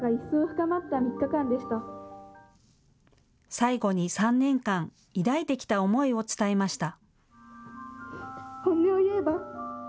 最後に３年間、抱いてきた思いを伝えました。